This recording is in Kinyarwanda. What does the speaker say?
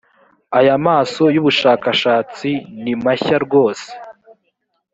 aya maso y’ubushakashatsi ni mashya rwose